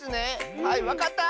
はいわかった！